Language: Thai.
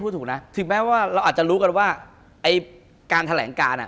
คุณผู้ชมบางท่าอาจจะไม่เข้าใจที่พิเตียร์สาร